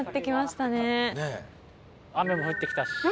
雨も降ってきたし。